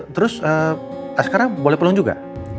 terus sekarang boleh pulang juga